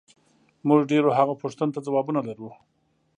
موږ ډېرو هغو پوښتنو ته ځوابونه لرو،